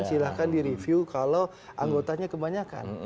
silahkan direview kalau anggotanya kebanyakan